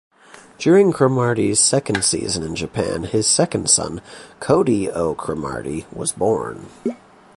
During Cromartie's second season in Japan, his second son, Cody Oh Cromartie, was born.